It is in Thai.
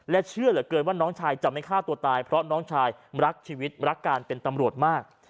เชื่อเหลือเกินว่าน้องชายจะไม่ฆ่าตัวตายเพราะน้องชายรักชีวิตรักการเป็นตำรวจมาก